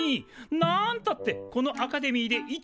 なんたってこのアカデミーで一番。